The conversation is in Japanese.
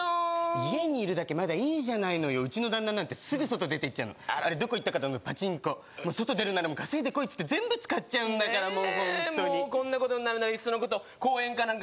家にいるだけまだいいじゃないのようちの旦那なんてすぐ外出ていっちゃうのあれどこ行ったかと思えばパチンコもう外出るなら稼いでこいっつって全部使っちゃうんだからもう本当にこんなことになるならいっそのこと公園か